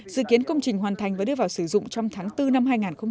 dự kiến công trình hoàn thành và đưa vào sử dụng trong tháng bốn năm hai nghìn hai mươi